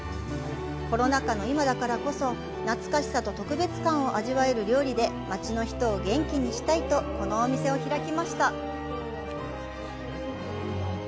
コロナ渦の今だからこそ、懐かしさと特別感を味わえる料理で街の人を元気にしたいと、このお店を開きました。